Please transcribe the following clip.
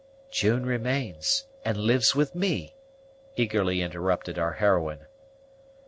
"June remains, and lives with me," eagerly interrupted our heroine.